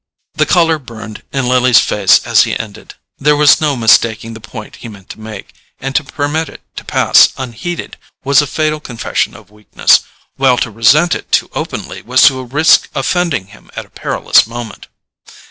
The colour burned in Lily's face as he ended; there was no mistaking the point he meant to make, and to permit it to pass unheeded was a fatal confession of weakness, while to resent it too openly was to risk offending him at a perilous moment.